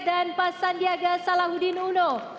dan pak sandiaga salahuddin uno